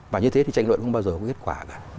và như thế thì tranh luận không bao giờ có kết quả cả